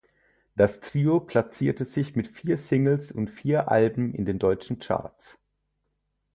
Das Trio platzierte sich mit vier Singles und vier Alben in den deutschen Charts.